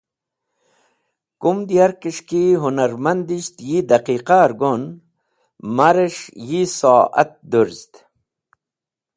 Kumd yarkẽs̃h ki hũnarmadisht yi dẽqiqar gon marẽs̃h yi soat Dũrẽzd